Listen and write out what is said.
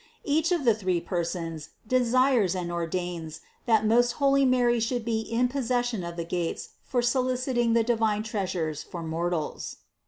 Each of the three Persons, desires and ordains, that most holy Mary should be in possession of the gates for soliciting the divine treasures for mortals.